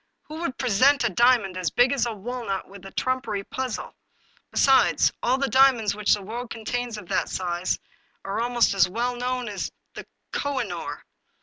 Who would present a diamond as big as a walnut with a trumpery puzzle? Besides, all the diamonds which the world contains of that size are almost as well known as the Koh i noor.